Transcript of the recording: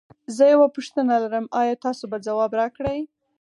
زه یوه پوښتنه لرم ایا تاسو به ځواب راکړی؟